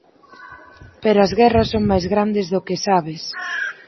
Pero as guerras son máis grandes do que sabes.